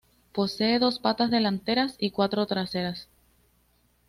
Posee dos patas delanteras y cuatro traseras.